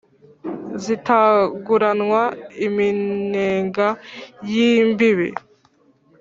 zitanguranwa iminega y' imbibi